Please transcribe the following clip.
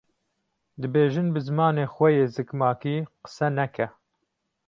dibêjin bi zimanê xwe yê zikmakî qise neke?